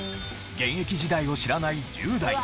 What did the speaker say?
現役時代を知らない１０代。